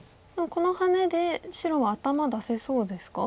このハネで白は頭出せそうですか？